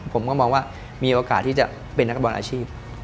ผมก็มองว่ามีโอกาสที่จะเป็นนักบอลอาชีพ